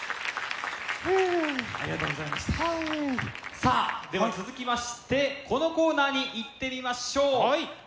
さあでは続きましてこのコーナーにいってみましょう。